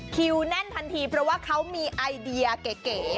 แน่นทันทีเพราะว่าเขามีไอเดียเก๋